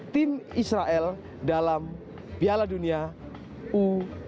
tim israel dalam piala dunia u dua puluh